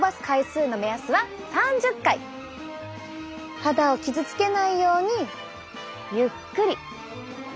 肌を傷つけないようにゆっくり。